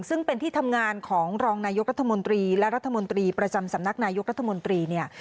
ซึ่งเป็นที่ทำงานของรองนายกรัฐมนตรีและรัฐมนตรีประจำสำนักนายกรัฐมนตรีเนี่ย